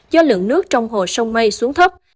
do lượng nước trong hồ sông mây xuống thấp